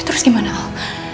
terus gimana al